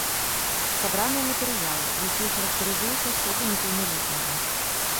Сабраныя матэрыялы, якія характарызуюць асобу непаўналетняга.